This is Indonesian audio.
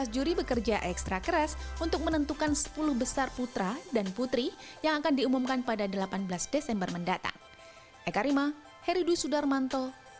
tujuh belas juri bekerja ekstra keras untuk menentukan sepuluh besar putra dan putri yang akan diumumkan pada delapan belas desember mendatang